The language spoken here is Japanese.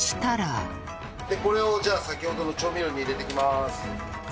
これをじゃあ先ほどの調味料に入れていきます。